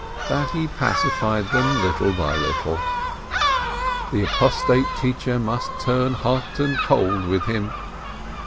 But' he pacified them little by little. The apostate teacher must turn hot and cold with him!